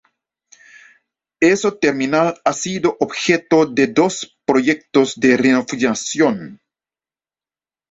Este terminal ha sido objeto de dos proyectos de renovación.